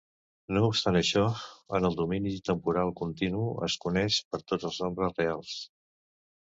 No obstant això, en el domini temporal continu es coneix per tots els nombres reals.